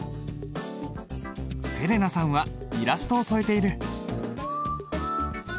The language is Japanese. せれなさんはイラストを添えている。